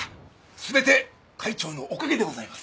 全て会長のおかげでございます。